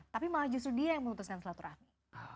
tapi malah justru dia yang memutuskan silaturahmi